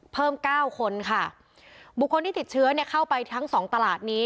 เพิ่มเก้าคนค่ะบุคคลที่ติดเชื้อเนี่ยเข้าไปทั้งสองตลาดนี้